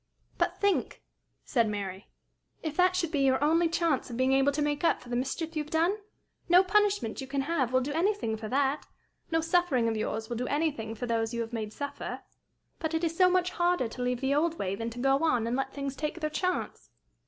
"But think," said Mary, "if that should be your only chance of being able to make up for the mischief you have done? No punishment you can have will do anything for that. No suffering of yours will do anything for those you have made suffer. But it is so much harder to leave the old way than to go on and let things take their chance!"